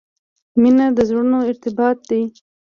• مینه د زړونو ارتباط دی.